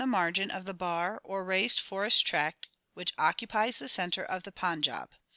Ixx THE SIKH RELIGION of the Bar or raised forest tract which occupies the centre of the Pan jab.